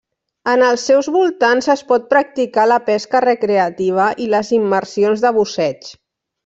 En els seus voltants es pot practicar la pesca recreativa i les immersions de busseig.